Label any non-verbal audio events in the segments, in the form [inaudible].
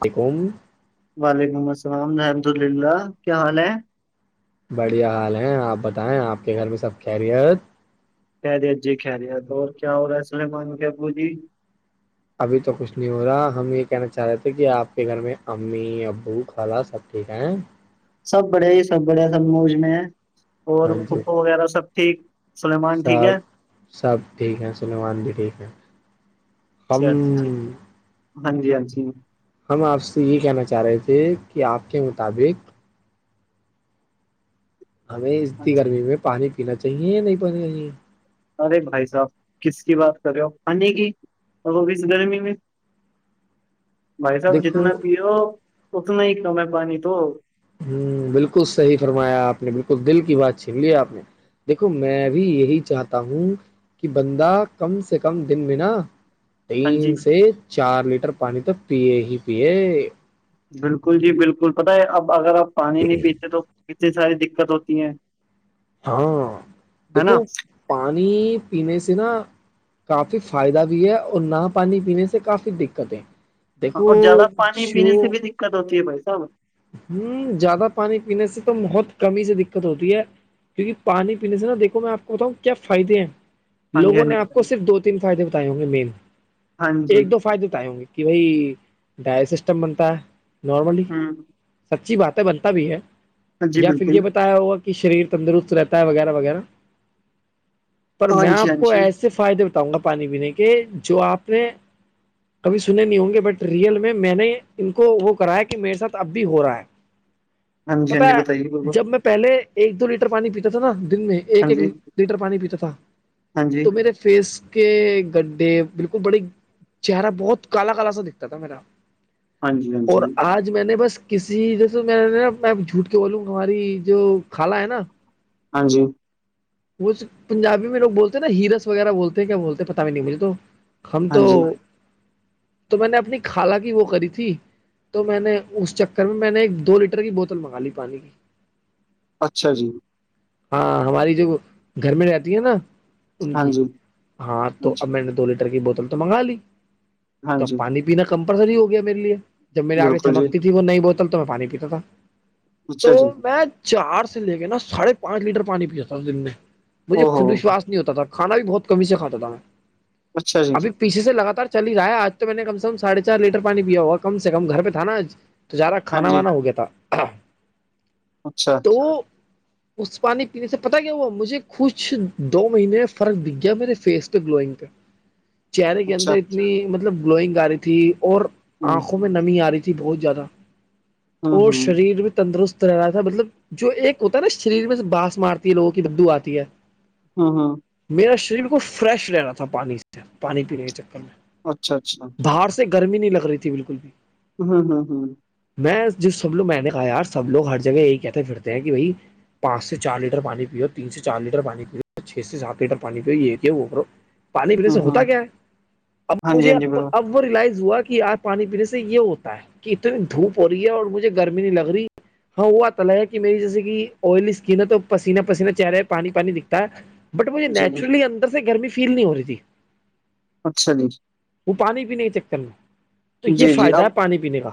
پیکم وعلیکم السلام میں الحمدللہ کیا حال ہیں بڑھیا حال ہے آپ بتائیں آپ کے گھر میں سب خیریت خریت جی خریت اور کیا ہو رہا ہے سلمان کے ابو جی ابھی تو کچھ نہیں ہو رہا ہم یہ کہنا چاہ رہے تھے کہ آپ کے گھر میں امی ابو خالا سب ٹھیک ہیں سب بڑے ہی سب بڑے سب موج میں اور ہاں جی پھوپھو وغیرہ سب ٹھیک سلیمان ٹھیک ہے سب سب ٹھیک ہیں سلممان بھی ٹھیک ہیں کم اچھا ٹھیک ہاں جی ہاں جی ہم آپ سے یہ کہنا چاہ رہے تھے کہ آپ کے مطابق ہمیں اتنی گرمی میں پانی پینا چاہیے یا نہیں پانیا چاہیے ارے بھائی صاحب کس کی بات کر رہے ہو پانی کی اس گرمی میں [inaudible] بھائی صاحب دیکھو جتنا پیو اتنا ہی کم ہے پانی تو ہوں بالکل صحیح فرمایا آپ نے بالکل دل کی بات چھین لی آپ نے دیکھو میں بھی یہی چاہتا ہوں کہ بندہ کم سے کم دن بنا ہاں جی تین سے چار لیٹر پانی تو پیے ہی پیے بالکل جی بالکل پت ہے اب اگر آپ پانی نہیں پیتے تو کتنی ساری دقت ہوتی ہیں ہاں ہے دیکھو نا پانی پینے سے نا کافی فائدہ بھی ہے اور نہ پانی پینے سے کافی دقتیں دیکھو ش دت ہوتی ہے بھ صابر ہوں زیادہ پانی پینے سے تو بہت کمی ہی سے دقت ہوتی ہے کیوںک پانی پینے سے نہا دیکو میں آپ کو بتاؤں کیا فائدے ہیں لوگوں نے آپ کو صرف ہاں دو تین فائدے بتائے ہوں گے مین جی ایک دو فائدے تو آئے ہوں گے کہ بھائی ڈائٹ سسٹم بنتا ہے نارمل ہاں سچی باتیں بنتا بھی ہے جی یا پھر یہ بتائیے ہوگا کہ شریر تندرست رہتا ہے وغیرہ وغیرہ پر میں ہاں جی آپ کو ایسے ہوں سے فائدے بٹاؤں گا پانی پینے کے جو آپ نے کبھی سنے نہیں ہوں گے بٹ ریئل میں میں نے ان کو وہ کرایا کہ میرے ساتھ اب بھی ہو رہا ہے ہاں جی بالکل ہاں جی ہاں جی ہاں جی ہاں پتا جی ہے بتائیے بالکل جب میں پہلے ایک دو لیٹر پانی پیتا تھا نا دن میں ہاں ایک ایک جی لیٹر پانی پیتا تھا ہاں جی تو میرے فس کے گڈے بالکل بڑے چہرہ بہت کالا کالا سا دکھتا تھا میرا ہاں جی اور آج میں نے بس کسی جیسے میں نا میں جھوٹ کے بولوں گا ہماری جو خالہ ہے نا ہاں جی وہ پنجابی میں لوگ بولتے ہیں ن ہیرس وغیرہ بول ہیں کیا بولتے ہیں پت بھی نہیں مجھے تو ہم ہاں تو جی تو میں نے اپنی خالہ کی وہ کری تھی تو میں نے اس چکر میں میں نے ایک دو لیٹر کی بوتل منگا لی پانی کی اچھا جی ہاں ہماری جو گھر میں رہتی ہے نا ان ہاں کی جی ہاں تو اب میں نے دو لیٹر کی بوتل تو منگا لی ہاں تو جی اب پانی پ پناا کمپلسری ہو گیا میرے لیے جب میرے آگے بالکل جی چمکتی تھی وہ نئی بوتل تو میں پانی پیتا تھا تو اچھا جی میں چار سے لے کے نا ساڑھے پانچ لیٹر پانی پیا تھا اس دن میں مجھے او ہو خود وشواس نہیں ہوتا تھا کھانا بھی بہت کمی سے کھاتا تھا میں اچھا جی جی پیھے سے لگاتار چل ہی رہا ہے آج تو میں نے کم سے کم ساھے چار لیٹر پانی پیا ہوا کم سے کم گ پہ تھا نا آج تو زیادہ ہاں کھانا جی وانا ہو گیا تھا اچھا تو اس پانی پینے سے پتاہ کیا ہوا مجھے کچھ دو مہینے میں فرق دکھ گیا میرے فیس پہ گلوئنگ پہ [unintelligible] چہرے کے اچھا اندر اتنی مطلب گلوئنگ آ رہی تھی اور ہوں آنکھوں میں نمی آ رہی تھی بہت زیادہ ہوں اور ہوں شریر بھی تندرست رہا تھا مطلب جو ایک ہوتا ہے نا شریر میں سے بانس مارتی ہے لوگوں کی بدو آتی ہے ہاں ہاں میرا شریر بالکل فریش رہنا تھا پانی سے پانی پینے کے چکر میں اچھا اچھا دھار سے گرمی نہیں لگ رہی تھی بالکل بھی ہوں ہوں ہوں میں ج سب لوگ میں نے کہا یار سب لوگ ہر جگہ یہی کہتے پھرتے ہیں کہ بھائی پانچ سے چار لیٹر پانی پیو تین سے چار لیٹر پانی پیو چھ سے سات لیٹر پانی پیو یہوو پانی پینے ہوں سے ہاں ہوتا کیا ہے اب ہاں جی مجھے ہاں جی ا بر اب وہ ریلائز ہوا کہ ار پانی پینے سے یہ ہوتا ہے کہ اتنی دھوپ ہو رہی ہے اور مجھے گرمی نہیں لگ رہی ہاں وہ آ تل ہے کہ میری جیسے کہ آئلی اسکن ہے تو پین پسین چہ رہا ہے پانی پانی دکھتا ہے بٹ مجھے جی جی نیچرلی اندر سے گرمی فیل نہیں ہو رہی تھی اچھا جی وہ پانی پینے کے چکر میں تو یہ جی جی فائدہ اب ہے پانی پینے کا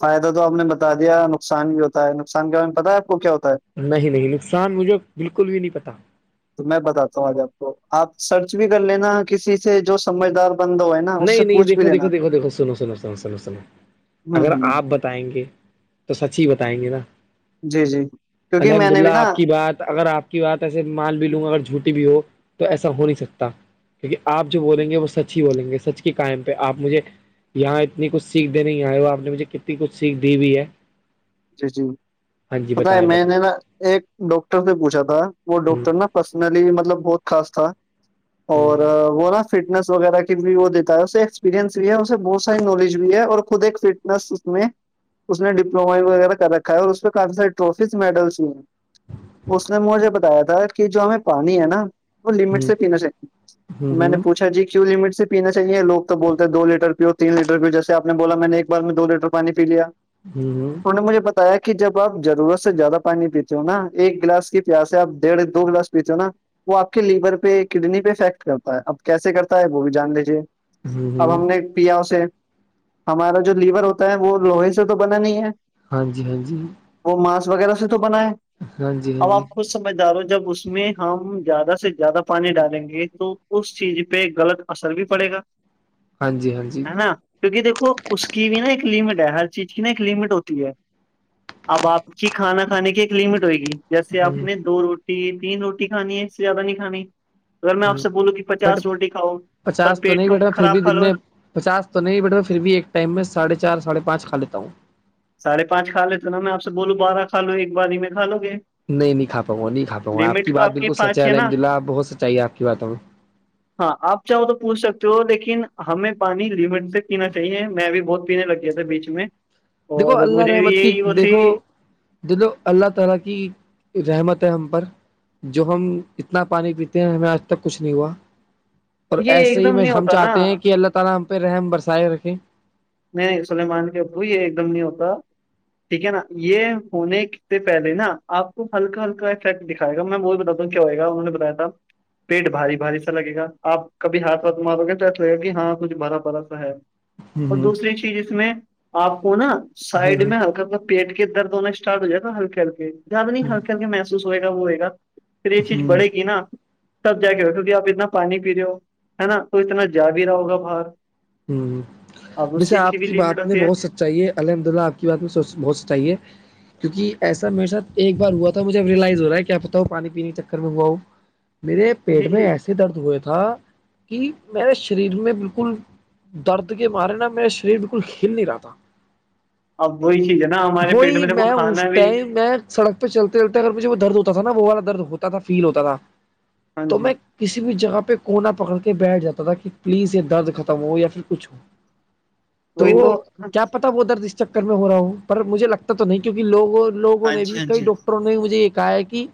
فائدہ تو آپ نے بتا دیا نقصان بھی ہوتا ہے نقصان کے بارے میں پتتا ہے آپ کو کیا ہوتا ہے نہیں نہیں نقصان مجھے بالکل بھی نہیں پتا تو میں بتاتا ہوں آج آپ کو آپ سرچ بھی کر لینا کسی سے جو سمجھدار بند ہو ہے نا اس نہیں سے نہیں پوچھ بھی دیکھو لینا دیکھو دیکھو دیکھو سنو سنو سنو سنو سنو ہوں اگر ہوں آپ بتائیں گے تو سچ ہی بتائیں گے نا جی جی کیونکہ میں الحمد نے للہ بھی نا آپ کی بات اگر آپ کی بات ایسے مال بھی لوں گا اگر جھوٹی بھی ہو تو ایسا ہو نہیں سکتا کیونکہ آپ جو بولیں گے وہ سچ ہی بولیں گے سچ کے قائم پہ آپ مجھے یہاں اتنی کچھ سیکھ دنے آئے ہو آپ نے مجھے کتنی کچھ سیکھ دی بھیئی ہے جی جی ہاں جی پت ہے بتائیں میں بتائیں نے نا ایک ڈاکٹر سے پوچھا تھا وہ ہ ڈاکٹر نا پرسنلی مطلب بہت خاص تھا اور وہ نا فٹنس وغیرہ کی بھی وہ دیتا ہے اسے ایکسپیریئنس بھی ہے اسے بہت ساری نالج بھی ہے اور خود ایک فٹنس میں اس نے ڈپلووما وغیرہ کر رکھا ہے اور اس پہ کافی سارے ٹرافیز میڈلس ہو ہیں اس نے مجھے بتایا تھا کہ جو ہمیں پانی ہے نا وہ لمٹ سے پینا چاہتی ہ میں نے پوچھا جی کیو لمٹ سے پینا چاہیے لو تو بولتے دو ل لیٹر پی اور تین لیٹر پیو جیس آپ نے بلا میں نے ایک بار میں دو لیٹر پانی پی لیا ھمم ھمم انہوں نے مجھے بتایا کہ جب آپ ضرورت سے زیادہ پانی پیتے ہو نا ایک گلاس کی پیاس سے آپ ڈیڑھ دو گلاس نا وہ آپ کے لیور پہ کڈنی پہفیکٹ کرتا ہے اب کیسے کرتا ہے وہ بھی جان لیجیے ہ اب ہ ہم نے پیا اسے ہمارا جو لیور ہوتا ہے وہ لوہے سے تو بنا نہیں ہے ہاں جی ہاں جی وہ مانس وغیرہ سے تو بنائے ہاں جی ہاں اب جی آپ سمجھدار ہو جب اس میں ہم زیادہ سے زیادہ پانی ڈالیں گے تو اس چیز پہ غلط اثر بھی پڑے گا ہاں جی ہاں جی ہے نا کیونکہ دیکھو اس کی بھی نا ایک لمٹ ہے ہر چیز کی نا ایک لمٹ ہوتی اب آپ کی کھانا کھانے کی ایک لمٹ ہوئے گی جیسے آپ ہ نے دو روٹی تین روٹی کھانی ہے زیاہ نہیں کھانی اگر میں آپ ہ سے بولوں کہ بٹ پچاس روٹی کھاؤ پر پچاس پیٹ نہیں تو بیٹا پھر بھی خراب پھل دن ہو میں پچاس تو نہیں بیٹا پھر بھی ایک ٹائم میں ساڑھے چار ساڑھے پانچ کھا لیتا ہوں ساھے پانچ کھا لیتے نا میں آپ سے بولوں بارہ کھ لو ایک بار ہی میں کا لو گے نہیں نہیں کھا پاؤا نہیں کھاؤںا آپ کی لمٹ تو بات بالکل سچ ہے پانچ نا الحمد للہ بہت سچائیے آپ کی باتوں میں ہاں آپ چاہو تو پوچھ سکتے ہو لیکن ہمیں پانی لمٹ سے پینا چاہیے میں بھی بہت پینے لگ یہ تھے بیچ میں دیکھو اور اللہ مجھے بھی رحمت کی یہی وہ تھی دیکھو د اللہ تعالی کی رحمت ہے ہم پر جو ہم اتنا پانی پیتے ہیں ہمیں آج تک کچھ نہیں ہوا اور یہ ایسے ایک ہی دم میں نہیں ہم ہوتا نا چاہتے ہیں کہ اللہ تعالی ہم پہ رحم برسائے رکھیں نہیں سلیمان کے ابو یہ ایک دم نہیں ہوتا ٹھیک ہے نا یہ ہونے سے پہلے نا آپ کو ہلکا ہلکا افیکٹ دکھائےا میں وہی بتا ہوں کیا ہو گا انہوں بتایا تھا پیٹ بھاری باری سا لگےا آپ کبھی ہاتھ ہاتھ مارو گے تو ایسا لگا کہ ہاں کچھ بھرا بھرا سا ہے اور ہ دوسری چیز اس میں آپ کو نا سائڈ میں ہ ہلکا پک پیٹ کے درد ہونا اسٹارٹ ہو جائے گا ہلکے ہلک زیادہ نہیں ہلکے ہلکے محسوس ہوئے گ وہ ہو گا پھر یہ چیز بڑھے ہ گی نا تب جا کے بیٹٹونکہ آپ اتنا پانی پی رہے ہو ہے نا تو اتنا جا بھی رہا ہوگا باہر ہ اب اس ویسے چیز آپ بھی کی لمٹ بات نے ہوتی ہے بہت س چاہیے الحمد للہ آپ کی بات میں سوچ بہت چاہیے کیوںک ایسا میرے ساتھ ایک بار ہوا تھا مجےب ریلائز ہو رہا ہے کیاپ بتاؤ پانی پینے چکر میں ہوا ہوں میرے پیٹ جی میں جی ایسے درد ہوئے تھا کہ میرے شریر میں بالکل درد کے مارے نا میرا شریر بالکل ہل نہیں رہا تھا اب وہی چیز ہے نا ہمارے پیٹ وہی دیکھو میں اس کھانا بھی ٹائم میں سڑک پہ چلتے چلتے اگر مجھے وہ درد ہوتا تھا نا وہ والا درد ہوتا تھا فیل ہوتا تھا ہاں تو جی میں کسی بھی جگہ پہ کونا پکڑ کے بیٹھ جاتا تھا کہ پلیز یہ درد ہو یا پھر کچھ ہو تو کیا پتا وہ درد اس چکر میں ہو رہا ہوں پر مجھے لگتا تو نہیں کیونکہ لووں لوگوں ہاں نے جی بھی ہاں کئی جی ڈاکٹروں نے مجھے ایک ہے کہ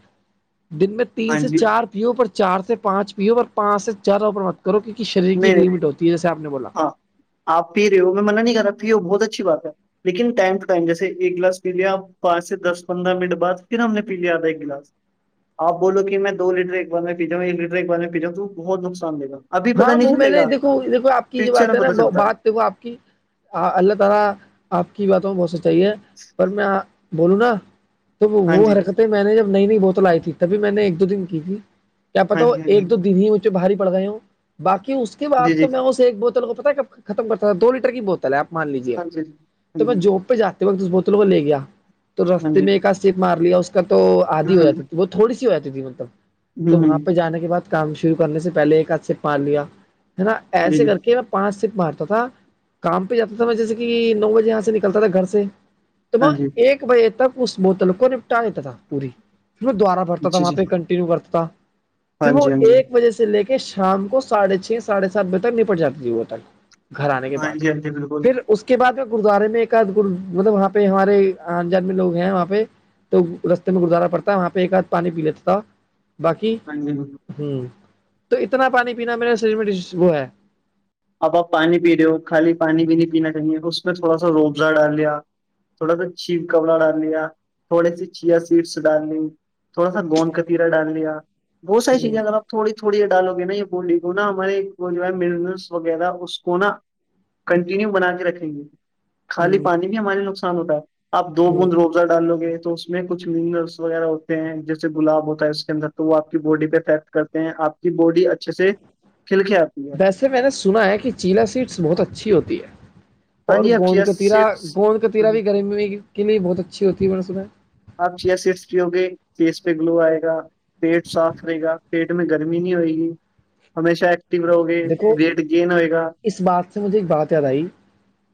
دن میں تین ہاں سے جی چار پی او پر چار سے پانچ پی او پر پانچ سے چار اوروپر مت کرو کیونک شر کی ایک لمٹ ہوتی ہے جیسے آپ نے بولا اں آپ پی رہے ہو میں منع نہیں کر رہا پی ہو بہت اچھی بات ہے لیکن ٹائم ٹ ٹائم جیسے ایک گلاس پی لیا پانچ سے دس پندرہ منٹ بعد پھر ہم نے پی لیا آدھا ایک گلاس آ بولو کہ میں دو ل لیٹر ایک بار میں پی جا ہوں ایک لیٹر ایک بار میں پیاؤوں تم بہت نقصان د گاب ہاں وہ میں نے دیکو دیکھو آپ کی جو بات ہے میں پتا نا چلتا ہے بات اللہ تعالی اپ کی باتوں بہت سے چاہیے پر میں بولو نا ت ہاں وہ جی حرکت میں نے جب نئی نئی بوتل آئی تھی تبھی میں نے ایک دو دن کی تھی کیا پتا ہاں ہو جی ہاں ایک دو دن ہی مجھے بھاری پڑ گئے ہوں باقی اس کے بع جی جی تو جی میں اس ایک بوتل کو پتا کب ختم کرتا تھا دو لیٹر کی بوتل ہے آپ مان لیجیے ہاں جی تو ہاں میں جی جب پہ جاتا اس بوتلوں کو لے گیا تو ہاں رستے جی میں ایک سییک مار لیا اس کا تو آدھی ہو ہ جاتا تھی ب تھوڑی سی ہو جاتی تھی مطلب تو وہاں پہ جانے کے بعد کام شرو کرنے سے پہل ایک آدھ سے پان لیا ہے نا ایسے ہ کر کے میں پانچ سیٹ مارتا تھا کام پہ جاتا تھا میں جیسے کہ نو بجے یہاں سے نکلتا تھا گھر سے ہ وہ ہ ایک بجے تک اس بوتل کو نپٹاتا تھا پوری پ دوبارہ پ برتا تھا جی جی ہاں جی جی وہاں جی پہ کنٹینیو برتا پھر ہاں وہ جی ہاں جی ایک بجے سے لے کے شام کے سڑھے چھ ساڑھے سات بجے تک نپٹ جاتی تھی وہ تک گھر آنے کے ہاں بعد جی ہاں جی بالکل پھر اس کے بعد گرودوارے میں ایکد مطلب وہاں پہ ہمارے آ جان میں لوگ ہیں وہاں پہ تو رستے میں گردوارہ پڑتا وہاں پہ ایک آدھ پانی پی لیتا تھا باقی ہاں جی ہوں تو اتنا پانی پینا میرے شریر میں وہ ہے اب آپ پانی پی رہے ہو خالی پانی بھی نہیں پینا چاہیے اس میں تھوڑا سا روبزہ ڈال لیا تھوڑا سا چیپ کپڑا ڈال لیا تھوڑی سی چیا سیٹس ڈال لی تھوڑا سا گوند کا تا ڈال لیا بہت ساری چیزیں اگر آپ تھوڑی تھوڑی ڈالوے نا یہ بولی کو نا ہمارے وہ جو ہے م وغیرہ اس کو نا کنٹینیو بنا کے رکھیں گے خالی پانی میں ہمارے نقصان ہوتا ہے آپ دو بوند رو ڈالو گے تو اس میں کچھ منرلس وغیرہ ہوتے ہیں جیسے گلاب ہوتا ہے اس کے اندر تو وہ آپ کی باڈی پہ افیکٹ کرتے ہیں آپ کی باڈی اچھے سے کھلک آتی ہے جے میں نے سنا ہے کہ چیلا سیٹس بہت اچھی ہوتی ہے ہاں اور جی آپ گوند چیئر ک ترا سیٹس گوند کاتییرا بھی گرمی کے لیے بہت اچھی ہوتی ہے ب صبح آپ چیئر سرف کی گے فیس پہ گلو آئے گا پیٹ صاف رہے گا پیٹ میں گرمی نہیں رہئے گی ہمیشہ ایک دیکھو اس بات سے مجھے ایک بات یاد آئی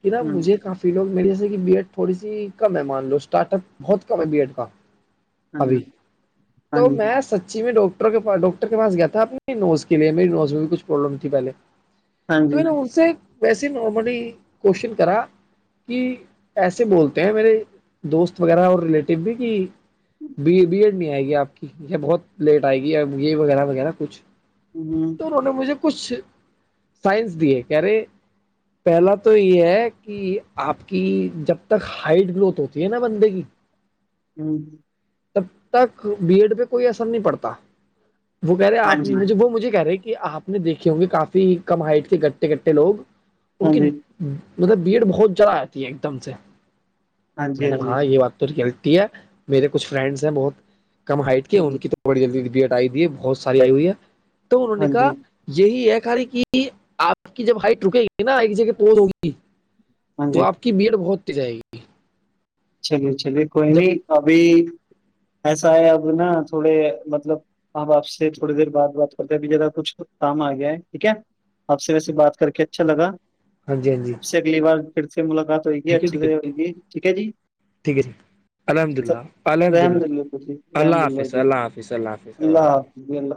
کہ نا مجھے ہ کافی فی لوگ میری جیسے کہ بی ایڈ تھوڑی سی کم ہے مان لو اسٹارٹ اپ بہت کم ہے بی ایڈ کا ابھی ہاں تو جی میں سچی میں ڈوک ڈاکٹر کے پاس گیا تھا آ اپ نوز کے لیے میری نوز میں بھی کچھ پرابلم تھیہلے ہاں تو جی میں نے ان سے ویسے نارملی کوشچن کرا کہ ایسے بولتے ہیں میرے دوست وغیرہ اور ریلیٹیو بھی کہ بی ایڈ نہیں آئے گی آپ کی بہت لیٹ آئے گی یہ وغیرہ وغیرہ کچھ ہ تو انہوں نے مجھے کچھ سائنس دیے کہہ رہے پہلا تو یہ ہے کہ آپ کی جب تک ہائٹ گروتھ ہوتی ہے نا بندے کی [inaudible] ہوں تب تک بی ایڈ پہ کوئی اثر نہیں پڑتا وہ کہہ رہے ہیں ہاں آپ جی نے وہ مجھے کہہ رہے کہ آپ نے دیکھے ہوں گے کافی کم ہائٹ کے گٹے گٹے لوگ ہ ان کے ہ مطلب بی ایڈ بہت جرہ آتی ہے ایک دم سے ہاں جی میں ہاں جی ہاں نے جی ہاں جی کہا یہ بات ریئلٹی ہے میرے کچھ فرینڈس ہیں بہت کم ہائٹ کے ہاں ان جی کی تو بڑی جلدی بی ایٹ آئی دی ہے بہت ساری آئی ہوئی ہے تو انہوں نے ہاں جی کہا یہی ہے کی کہ آپ کی جب ہائٹ رکے گی نا ایک جگہ توز ہووںگی ہاں تو جی آپ کی بی ایڈ بہت ت ج آائے گی چلیے چلیے کوئی جب نہیں ابھی ایسا ہے اب نا تھوڑے مطلب آپ آپ سے تھوڑی دیر بعد بات کرتے ہیں اب جذرا کچھ کام آ گیا ہے ٹھیک ہے آپ سے و سے بات کر کے اچھا لگا ہاں جی ہاں جی آپ اگلی بار پھر سے ملاقات ہوئی گی ٹھیک ہے اچھے ٹھیک ہے سے ہوئیگی ٹھیک ہے جی ٹھیک ہے الحمد سلام۔ للہ الحمدلہ الحمد اللہ اللہ الحمد حافظ اللہ حافظ اللہ حافظ اللہ حافظ ج اللہ